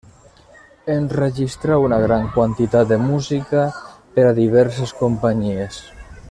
Enregistrà una gran quantitat de música per a diverses companyies.